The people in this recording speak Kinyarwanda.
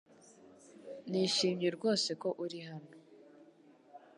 Nishimiye rwose ko uri hano .